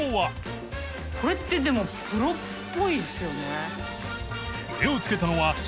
これってでもプロっぽいですよね。